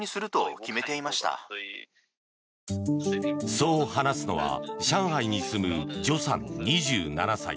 そう話すのは上海に住むジョさん２７歳。